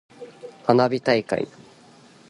花火大会。